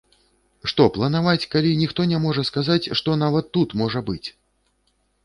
Што планаваць, калі ніхто не можа сказаць, што нават тут можа быць!